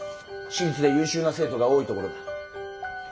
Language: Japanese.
私立で優秀な生徒が多いところだ。